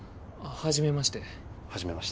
初めまして。